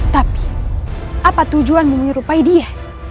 tapi apa tujuan menyerupai dia